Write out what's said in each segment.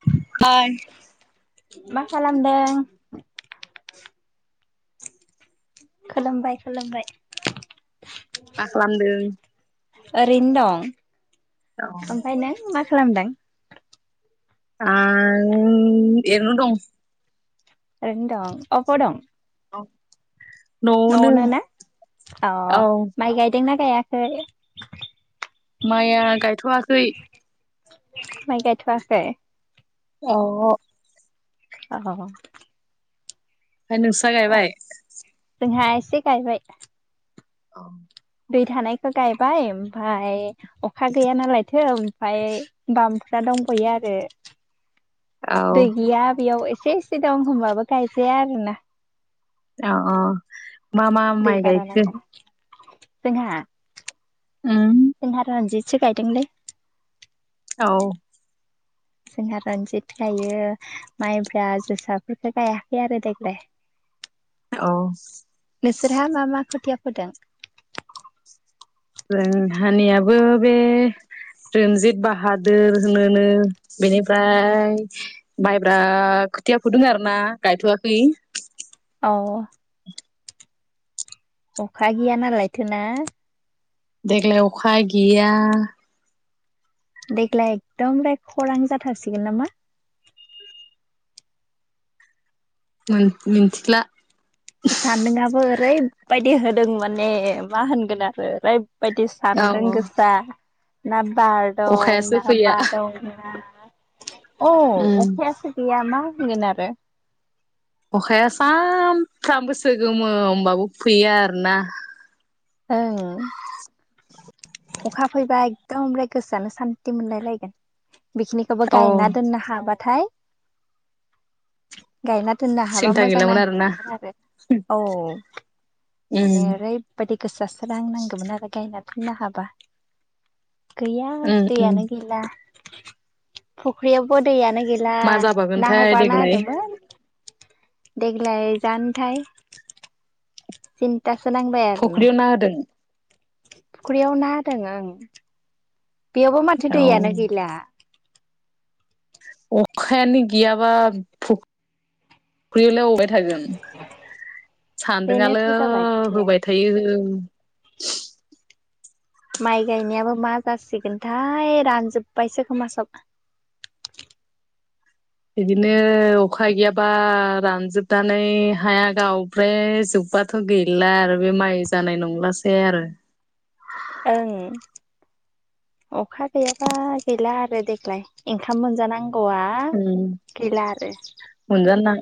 [unintelligible] मोन मा खालामदों? खोलोमबाय खुलुमबाय। मा खालामदों? ओरैनो दं। ओमफाय नों मा खालामदों? आं एरनो दंस ओरैनो दं अबाव दं? औ न'आवनो ना अ औ माइ गायदोंना गायाखै? माइआ गायथ'वाखै माइ गायथ'वासै औहो अहह ओमफाय नोंसा गायबाय? जोंहा एसे गायबाय। अ दै थानायखौ गायबाय ओमफाय अखा गैया नालायथो ओमफाय बाम्फ्रा दंफैयो आरो दै औ गैया बेयाव एसेस से दं होमबाबो गायजाया आरोना जोहा अ मा मा दै माइ बारा गायखो? नांगोन जोंहा उम जोंहा रन्जितसो गायदोंलै। औ जोंहा रनजित गायो माइब्रा जोसाफोरफोरखौ गायाखै आरो देग्लाय [inaudible] औ नोंसोरहा मा मा खोथिया फोदों जों हानियाबो बे रन्जित बाहादोर होनोनो बेनिफ्राय माइब्रा खोथिया फुदों आरो ना गायथ'वाखै औ अखा गैया नालायथो ना देग्लाय अखा गैया देग्लाय एकदमाराय खरां जाथारसिगोन नामा मोन मिथिगला सान्दोंआबो ओरैबायदि होदों माने मा होनगोन आरो ओरैबायदि औ सामदों गोसा ना बार दं अखायासो ना फैया मा दं ना औ उम अखायासो गैया मा होनगोन आरो अखाया सानफ्रामबो सोगोमो होमबाबो फैया आरो ना ओं अखा फैबा एकद ओमफ्राय गोसोआनो सान्ति मोनलायलायगोन बेखिनिखौबो औ गायना दोननो हाबाथाय गायना दोननो हाबा सिन्था मोजां गैलामोन आरोना नांहैगोन आरो औ उम माने ओरैबायदि गोसाोसो रां नांगौमोन आरो गायना फिनो हाबा गैया उम उम दैयानो गैला फुख्रियावबो दैयानो गैला मा ना जाबावगोनथाय हगारना देग्लाय होदोंमोन देग्लाय जानोथाय सिन्था सो नांबायआरोना मा होदों फुख्रियाव ना होदों ओं बेयावबो माथो दैयानो गैला अखायानो गैयाबा फुख्रि-यावलाय अवबाय थागोन सान्दोंङाल' बेनोथ' जाबाय खोथाया होबाय थायो माइ गायनायाबो मा जासिगोनथाय रानजोबबायसो खोमा सब बिदिनो अखा गैयाबा रानजोबनानै हाया गाव ओमफ्राय जोब्बाथ' गैला आरो बे माइ जानाय नंलासै आरो ओं अखा गैयाबा गैला आरो देग्लाय ओंखाम मोनजानांगौआ आ उम गैला आरो मोनजानो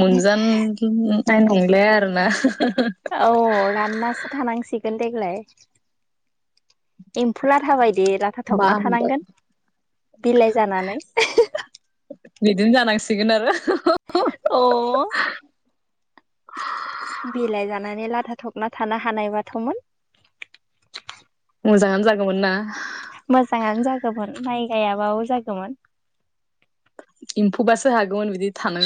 मोनजाननाय नंलाय आरो ना औ राननासो थानांसिगोन देग्लाय एम्फौ लाथाबायदि लाथा मा थबना होनगोन थानांगोन बिलाइ जानानै बिदिनो जानांसिगोन आरो अ' बिलाइ जानानै लाथा थबना थानो हानाय बाथ'मोन मोजाङानो जागौमोन ना मोजाङानो जागौमोन माइ गायाबाबो जागौमोन एम्फौबासो हागौमोन बिदि थानो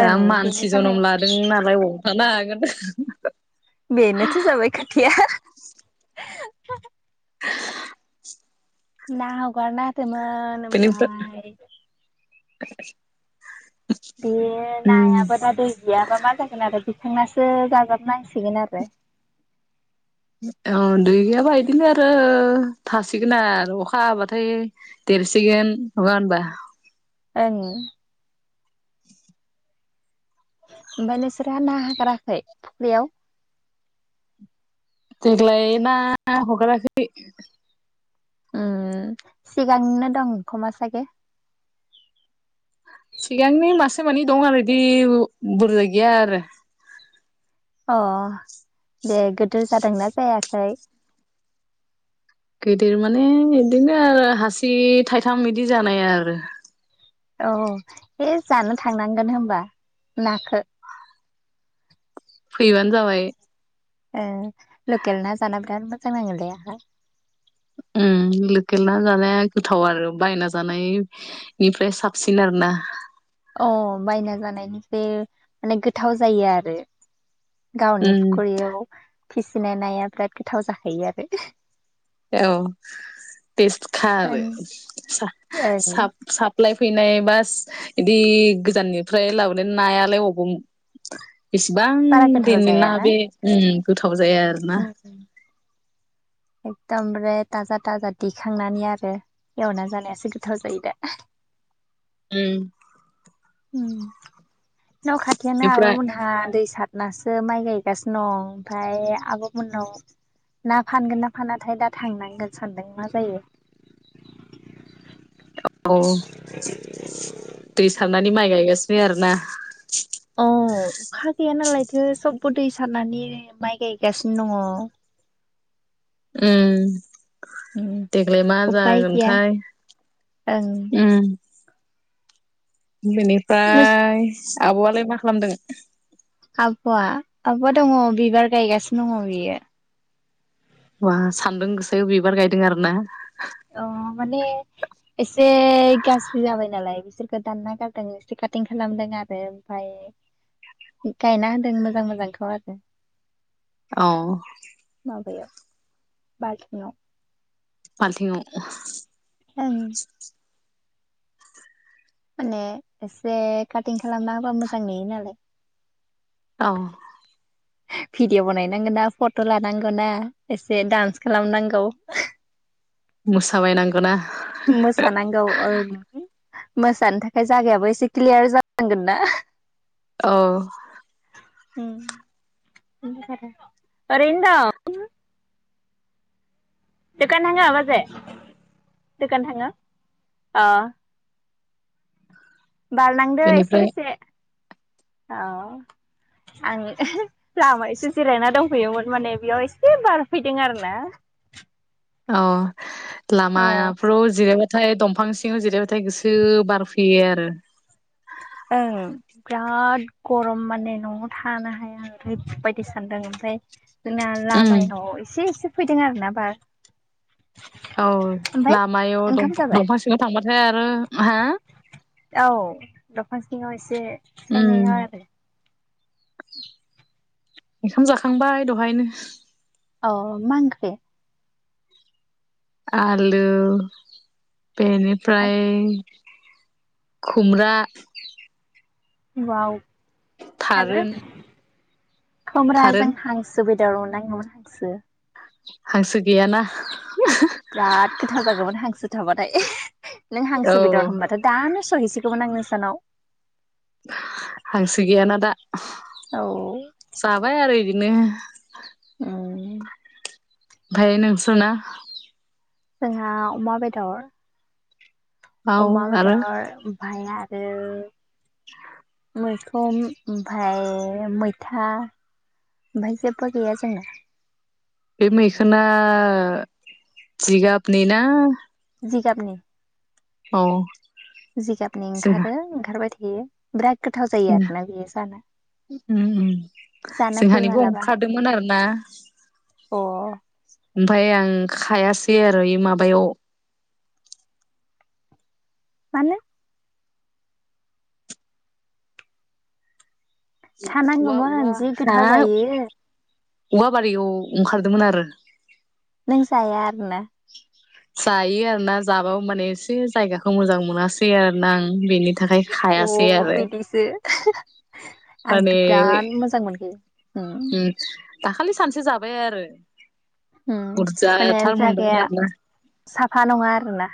दा ओं बेनो मानसि जनम जाबाय ला हादों नालाय अबाव थानो हागोन बेनोथो जाबाय खोथाया ना होगार ना होदोमोन बिनिफ्राय बे नायाबो दा दै गैयाबा मा जागोन आरो दिखांनासो जाजोबनांसिगोन आरो औ दुगैयाबा इदिनो आरो थासिगोन आरो अखा हाबाथाय देरसिगोन नंडा होनबा? ओं। [inaudible] ओमफ्राय नोंसोरा ना हागाराखै फुख्रियाव? देग्लाय ना हगाराखै। ओं सिगांनो दं खमा सागे? सिगांनि मासे मानै दं आरो बि बुरजा गैया आरो। अ दे गिदिर जादोंना जायाखै? गिदिर माने बिदिनो आरो हासि थाइथाम बिदि जानाय आरो। औ है जानो थांनांगोन होनबा नाखौ। फैबानो जाबाय। ओ लकेल ना जाना बिराद मोजां नाङोलै आहा। उम लकेल ना जानाया गोथाव आरो बायना जानाय निफ्राय साबसिन आरो ना। अ बायना जानायनिफ्राय माने गोथाव जायो आरो। गावनि उम फुख्रियाव फिसिनाय नाया बिराद गोथाव जाखायो आरो। औ तेसखा आरो ओं सा ओं साब साब लायफैनाय बास बिदि गोजाननिफ्राय लाबोनाय नायालाय अबाव बेसेबां बारा गोथाव दैनि ना बे उम गोथाव जाया आरो। ओं एकदमारे थाजा थाजा दिखांनानै आरो। एयावना जानायासो गोथाव जायो दा। ओम। न' खाथियानो आब' बेनिफ्राय मोनहा दै सा नासो माइ गायगासिनो दं ओमफ्राय आब'मोननाव ना फानगोन ना फानाथाय दा थांनांगोन सानदों मा जायो? औ दै सारनानै माइ गायगासिनो आरोना? अ अखा गैया नालायथो सबबो दै सारनानै माइ गायगासिनो दङ। उम। दङ। देग्लाय मा उफाय गैया जागोनथाय! ओं उम नोंस बेनिफ्राय आब'आलाय मा खालामदों? आब'आ आब'आ दङ बिबार गायगासिनो दङ बियो। बा सान्दुं गोसायाव बिबार गायदों आरो ना? अ माने एसे गाज्रि जाबाय नालाय बिसोरखौ दानना गारदों। एसे काटिं खालामदों आरो ओमफाय गायना होदों मोजां मोजांखौ आरो। अ। माबायाव बालथिंयाव। बालथिङाव? ओं। माने एसे काटिं खालामना होबा मोजां नुयो नालाय। औ। भिडिअ बानायनांगौ ना फट' लानांगौ ना एसे दडान्स खालामनांगौ। मोसाबायनां मोसानांगौ ओं। मोसानो थाखाय जागायाबो एसे क्लियार जानांगोन ना। औ। उम। ओरैनो दं। दखान थाङो बाजै? दखान थाङो? अ। बारलांदो एसे बेनिफ्राय एसे औ आं लामा एसे जिरायना दंहैयोमोन माने बेयाव एसे बारफैदों आर ना अ अ लामाफ्राव जिरायबाथाय दंफां सिङाव जिरायबथाय थाय गोसो बार फैयो आरो ओं बिराद गरम माने न'आव थानो हाया ओरैबायदि सानदों ओमफ्राय जोंना उम लामायाव एसे एसे फैदों आर ना बार। औ ओमफाय लामायाव ओंखाम जाबाय? दंफां सिङाव थांबाथाय आरो हा? औ दंफां सिङाव एसे उम सायनायाव आरो ओंखाम जाखांबाय दहायनो? अ मा ओंख्रि? आलु बेनिफ्राय खुमब्रा वाव थारुन खोम्राजों थारुन हांस सुबिदा रं नांगौमोन हाखसो। हांसो गैयाना। बिराद गोथाव जागौमोन हांसो थाबाथाय नों औ हांसो बेदर होनबथाय' दानो सहैसिगौमोन आं नोंस्रानाव। हांसो गैयाना दा औ जाबाय आरो बिदिनो। ओम। ओमफाय नोंसोरना जोंहा अमा बेदर। औ अमा आरो बेदर ओमफाय आरो [inaudible] मैखोम ओमफाय मैथा ओमफाय जेबो गैया जोंना। बे मैखोना जिगाबनि ना? जिगाबनि? औ जिगाबनि जोंहा ओंखारो ओंखारबाय थायो बिराद गोथाव जायो जोंना आरोना बेयो जानो। उम उम जानो फै जोंहानिबो मालाबा अंखारदोंमोन आरो ना। अ ओमफाय आं खायासै आरो आर' इमाबायाव मानो औवा औवा खानांगौमोन जि हा गोथाव जायो औवा बारियाव ओंखारदोंमोन आरो। नों जाया आरो ना? जायो आरोना जाबाबो माने एसे जायगाखौ मोजां मोनासै आरो ना आं बेनि थाखाय खायासै आरो। ए। आंथ' माने बिराद मोजां मोनखायो। ओम। उम दाखालि सानसे जाबाय आरो। उम। माने बुरजाथार मोनदोंमोन जागाया आरोना साफा नङा आरोना?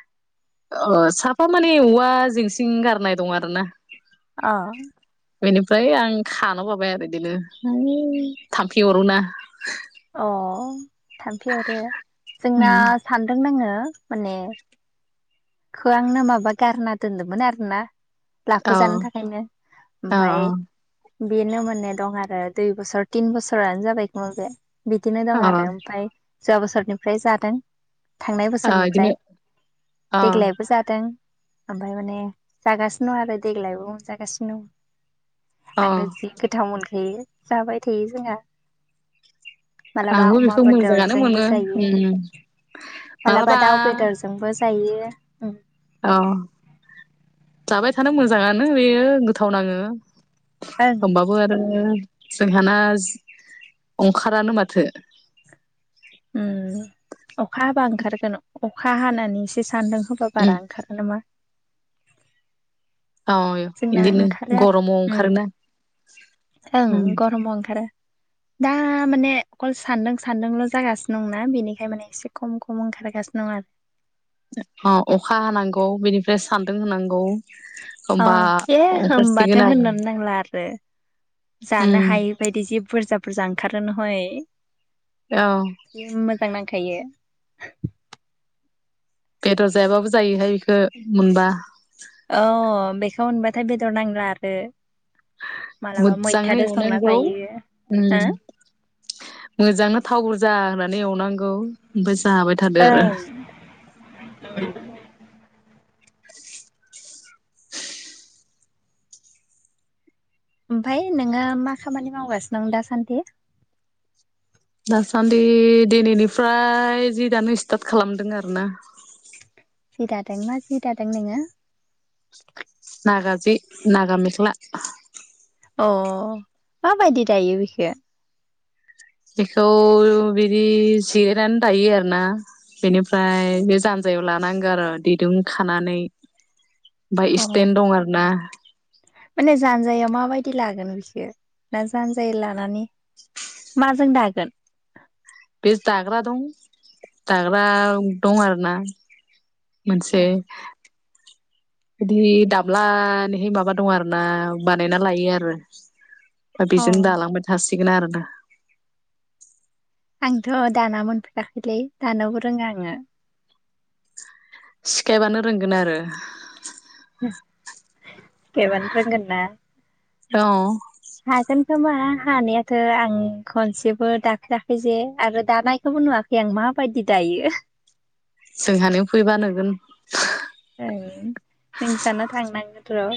अ साफा माने औवा जिंसिं गारनाय दं आरो ना। अ बेनिफ्राय आं खानव बाबाय आरो बिदिनो है थाम्फै अरो ना। अ थाम्फै अरो जोंना उम सानदों नाङो माने। खो आंनो माबा गारना दोन्दोंमोन आरो ना। अ लाफा जानो थाखायनो अ ओमफाय। बेनो माने दं आरो दुइ बोसोर तिन बोसोरानो जाबाय खोमा बे। बिदिनो अ दं अ आरो ओमफाय जवा बोसोरनिफ्राय जादों थांनाय अ इदिनो बोसोरनिफ्राय। अ देग्लायबो जादों ओमफाय माने जागासिनो दं आरो देग्लायबो मोनजागासिनो दं। अ आंथ' गोथाव मोनखायो जाबाय थायो जोंहा मालाबा आंबो अमा बेखौ मोजाङानो बेदरजोंबो मोनो जायो उम मालाबा दाउ बेदरजों जोंबो जायो अ जाबाय थानो मोजाङानो बेयो गोथाव नाङो होमबाबो आरो जोंहाना अंखारानो माथो उम अखा हाबा ओंखारगोन अखा हानानै एसे सानदुं हबा उम बारा ओंखारो नामा औय जोंना बिदिनो ओंखारो गरमाव आरो ओंखारोना। ओं उम गरमबो ओंखारो दा माने अखल सान्दुं सान्दुंल' जागासिनो दंना बेनिखाय माने एसे खम खम ओंखारगासिनो दं आरो अ अखा हांगौ बेनिफ्राय सान्दुं होनांगौ अ होमबा ए ओंखारसिगोन होनोमबाथो आरो होननो नांला आरो उम जानो हायो बायदि जि बुरजा बुरजा ओंखारो नहय औ जि मोजां नांखायो बेदर जायाबाबो जायोहाय बेखो मोनबा औ बेखौ मोनबाथाय बेदर नांला आरो मालाबा मोजाङै मैथादो संना एवनांगौ जायो उम हो मोजांनो थाव बुरजा होनानै एवनांगौ ओमफाय जाबाय थादो आरो ओं ओमफाय नोङो मा खामानि मावगासिनो दं दासान्दि दासान्दि दिनैनिफ्राय जि दानो स्टार्ट खालामदों आरो ना जि दादों मा जि दादों नोङो नागाजि नागा मेख्ला अ माबायदि दायो बिखो बेखौ बिदि जिरायनानै दायो आरोना बेनिफ्राय बे जानजायाव लानांगौ आरो दिरुं खानानै ओमफाय अ स्टेेन दं आरो ना माने जानजायाव माबायदि लागोन बिख ना जानजाय लानानै [unintelligible] माजों दागोन। बे दाग्रा दं दाग्रा दं आरोना मोनसे [inaudible] बिदि दाब्लनिहाय माबा दं आरोोना बानायना लायो आरो दा अ बेजोंनो दालांबाय थासिगोन आरोना आंथ' दाना मोनफेराखैलै दानोबो रोङा आङो। सिखायबानो रोंगोन आरो [inaudible] बानो रोंगोन ना औ हागोन खोमा हानायाथ' आं खनसेबो दाखेराखै जे आरो दानायखौबो नुवाखै [unintelligible] माबायदि दायो। जोंहानि फैबा नुगोन। नोंसाना थांनांगौथ'